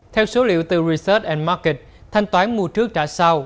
theo số liệu từ research market thanh toán mua trước trả sau